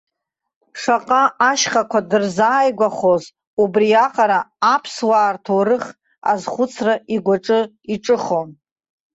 Шаҟа ашьхақәа дырзааигәахоз, убриаҟара аԥсуаа рҭоурых азхәыцра игәаҿы иҿыхон.